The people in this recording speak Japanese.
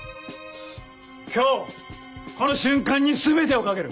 今日この瞬間に全てをかける。